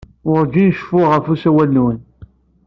Werǧin ceffuɣ ɣef usawal-nwen.